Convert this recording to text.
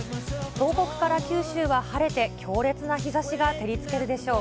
東北から九州は晴れて、強烈な日ざしが照りつけるでしょう。